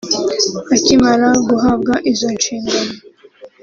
Akimara guhabwa izo nshingano